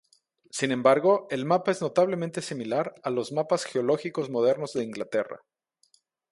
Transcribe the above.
Sin embargo, el mapa es notablemente similar a los mapas geológicos modernos de Inglaterra.